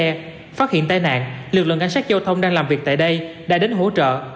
xe phát hiện tai nạn lực lượng cảnh sát giao thông đang làm việc tại đây đã đến hỗ trợ